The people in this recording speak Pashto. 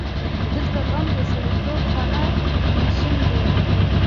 دلته غم د سړیتوب خانه نشین دی.